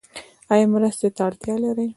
ایا مرستې ته اړتیا لرئ؟